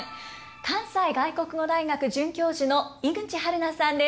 関西外国語大学准教授の井口はる菜さんです。